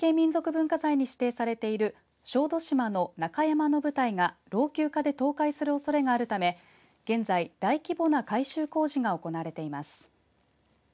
文化財に指定されている小豆島の中山の舞台が老朽化で倒壊するおそれがあるため現在、大規模な改修工事が行われています。